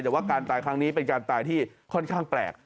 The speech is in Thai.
แต่ว่าการตายครั้งนี้เป็นการตายที่ค่อนข้างแปลก